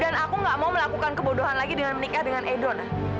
dan aku nggak mau melakukan kebodohan lagi dengan menikah dengan edo na